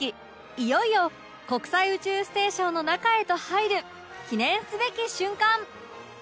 いよいよ国際宇宙ステーションの中へと入る記念すべき瞬間